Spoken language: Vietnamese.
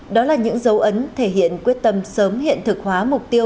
đó là những dấu ấn thể hiện quyết tâm sớm hiện thực hóa mục tiêu